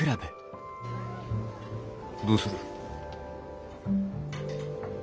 どうする？